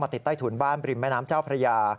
ติดใต้ถุนบ้านบริมแม่น้ำเจ้าพระยา